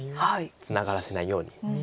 ツナがらせないように。